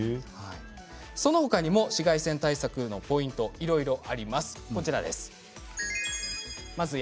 その他にも紫外線対策のポイントいろいろあります。